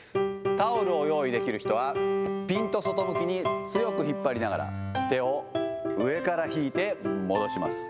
タオルを用意できる人は、ぴんと外向きに強く引っ張りながら、手を上から引いて戻します。